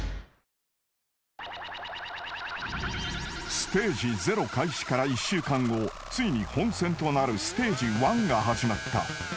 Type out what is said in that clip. ［ステージ０開始から１週間後ついに本戦となるステージ１が始まった］